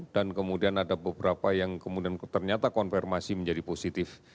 dan kemudian ada beberapa yang kemudian ternyata konfirmasi menjadi positif